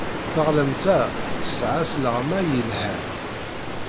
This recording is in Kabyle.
Taɣlamt-a tesɛa asleɣmay yelhan.